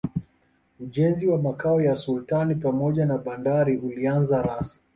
ujenzi wa makao ya sultani pamoja na bandari ulianza rasmi